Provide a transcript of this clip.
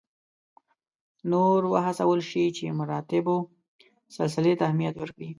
نور وهڅول شي چې مراتبو سلسلې ته اهمیت ورکړي.